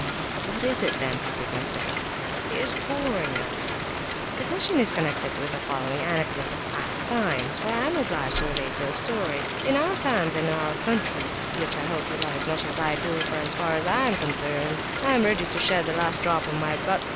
"What is it then, for goodness' sake?" "He is boring us!" "The question is connected with the following anecdote of past times; for I am obliged to relate a story. In our times, and in our country, which I hope you love as much as I do, for as far as I am concerned, I am ready to shed the last drop of my blood...